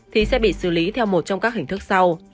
thì sẽ bị xử lý theo một trong các hình thức sau